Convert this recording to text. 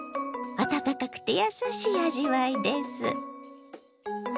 温かくてやさしい味わいです。